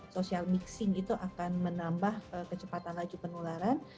social mixing itu akan menambah kecepatan laju penularan